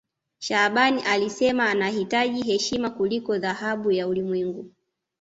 shaaban alisema anahitaji heshima kuliko dhahabu ya ulimwengu